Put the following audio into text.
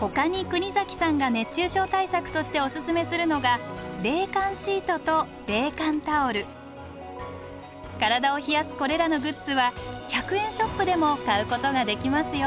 ほかに国崎さんが熱中症対策としてオススメするのが体を冷やすこれらのグッズは１００円ショップでも買うことができますよ。